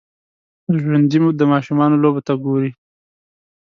ژوندي د ماشومانو لوبو ته ګوري